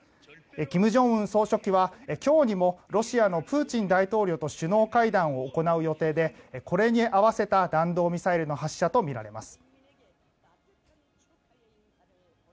金正恩総書記は今日にもロシアのプーチン大統領と首脳会談を行う予定でこれに合わせた弾道ミサイルの発射とみられています。